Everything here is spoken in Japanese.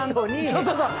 そうそうそう。